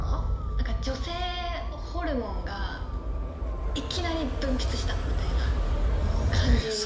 何か女性ホルモンがいきなり分泌したみたいな感じ。